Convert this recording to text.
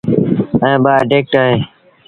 ائيٚݩ ٻآ اينڊيٚڪٽ اهيݩ۔